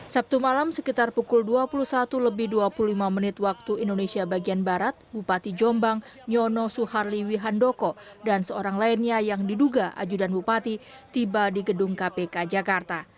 sabtu malam sekitar pukul dua puluh satu lebih dua puluh lima menit waktu indonesia bagian barat bupati jombang nyono suharli wihandoko dan seorang lainnya yang diduga ajudan bupati tiba di gedung kpk jakarta